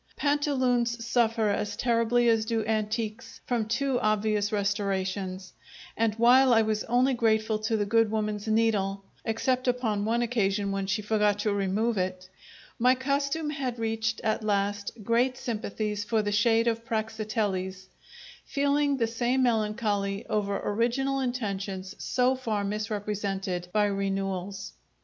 Pantaloons suffer as terribly as do antiques from too obvious restorations; and while I was only grateful to the good woman's needle (except upon one occasion when she forgot to remove it), my costume had reached, at last, great sympathies for the shade of Praxiteles, feeling the same melancholy over original intentions so far misrepresented by renewals.